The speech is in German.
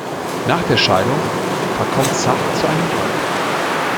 Nach der Scheidung verkommt Zach zu einem Wrack.